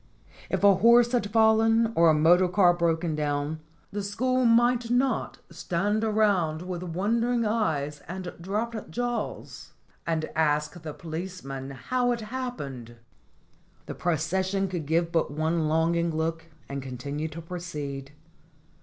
If a horse had fallen or a motor car broken down, the school might not stand around with wondering eyes and dropped jaws, and ask the police man how it happened; the procession could give but u8 STORIES WITHOUT TEARS one longing look and continue to proceed.